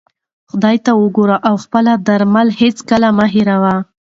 خدای ته وګوره او خپلې درملې هیڅکله مه هېروه.